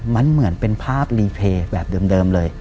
มันเหมือนเป็นภาพรีเพย์แบบเดิมเลย